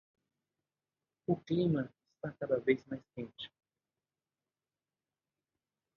O clima está cada vez mais quente!